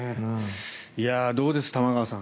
どうです、玉川さん